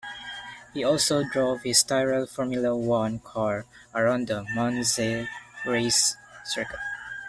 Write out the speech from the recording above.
He also drove his Tyrrell Formula One car around the Monza race circuit.